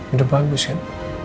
udah bagus kan